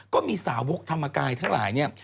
ก็มีสาวกธรรมกายทั้งหลายเนี่ย